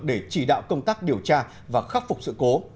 để chỉ đạo công tác điều tra và khắc phục sự cố